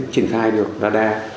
triển khai được radar